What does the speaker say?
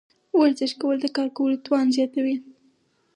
ورزش کول د کار کولو توان زیاتوي.